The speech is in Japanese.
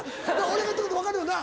俺が言ってること分かるよな。